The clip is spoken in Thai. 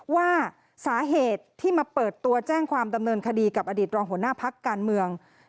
ว่าสาเหตุที่มาเปิดตัวแจ้งความดำเนินคดีกับอดีตรองหัวหน้าพักการเมือง